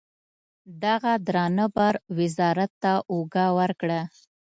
دغه درانه بار وزارت ته اوږه ورکړه.